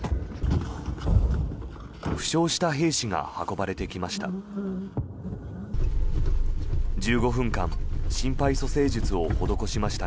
負傷した兵士が運ばれてきました。